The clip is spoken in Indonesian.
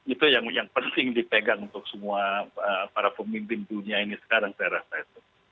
itu yang penting dipegang untuk semua para pemimpin dunia ini sekarang saya rasa itu